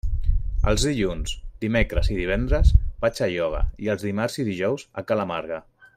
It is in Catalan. Els dilluns, dimecres i divendres vaig a ioga i els dimarts i dijous a ca la Marga.